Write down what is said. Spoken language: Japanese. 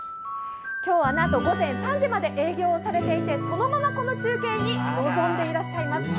今日はなんと、午前３時まで営業をされていて、そのままこの中継に臨んでらっしゃいます。